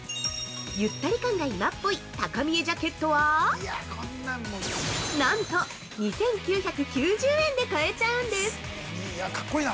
ゆったり感が今っぽい高見えジャケットはなんと２９９０円で買えちゃうんです。